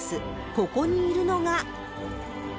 ここにいるのが。